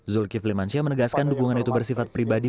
zulkifli mansyah menegaskan dukungan itu bersifat pribadi